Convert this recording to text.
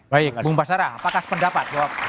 baik bung basara apakah pendapat bahwa